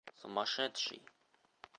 Сумасшедший.